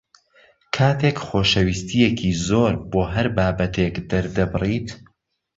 کاتێک خۆشەویستییەکی زۆر بۆ هەر بابەتێک دەردەبڕیت